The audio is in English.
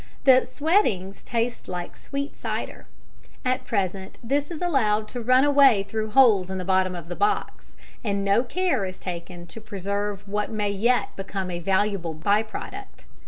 The "sweatings" taste like sweet cider. At present this is allowed to run away through holes in the bottom of the box, and no care is taken to preserve what may yet become a valuable by product.